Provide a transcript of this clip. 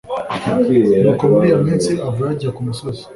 Nuko muri iyo minsi avayo ajya ku musozi